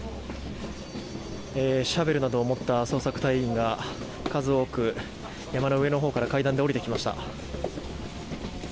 シャベルなどを持った捜索隊員が数多く山の上のほうから階段で下りてきました。